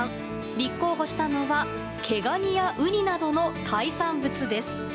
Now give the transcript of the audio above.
立候補したのは毛ガニやウニなどの海産物です。